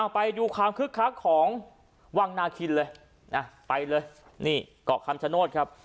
ไปดูความคึกคักของวังนาคินเลยนะไปเลยนี่เกาะคำชโนธครับ